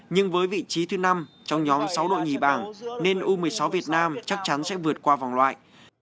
nhưng với vị trí thứ năm trong nhóm sáu đội nhỉ bảng nên u một mươi sáu việt nam chắc chắn sẽ vượt qua vòng loại